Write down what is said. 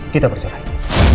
kita berserah ini